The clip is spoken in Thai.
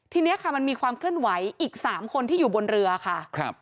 ทีนี้ค่ะมันมีความเคลื่อนไหวอีก๓คนที่อยู่บนเรือค่ะ